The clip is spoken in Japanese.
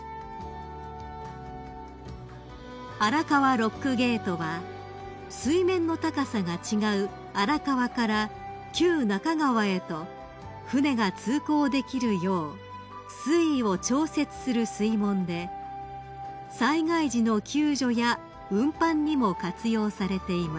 ［荒川ロックゲートは水面の高さが違う荒川から旧中川へと船が通行できるよう水位を調節する水門で災害時の救助や運搬にも活用されています］